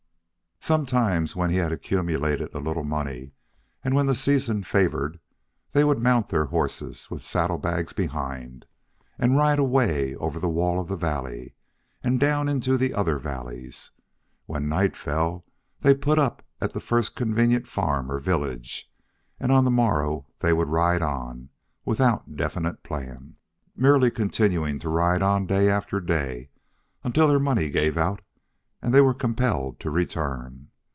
Sometimes, when he had accumulated a little money, and when the season favored, they would mount their horses, with saddle bags behind, and ride away over the wall of the valley and down into the other valleys. When night fell, they put up at the first convenient farm or village, and on the morrow they would ride on, without definite plan, merely continuing to ride on, day after day, until their money gave out and they were compelled to return.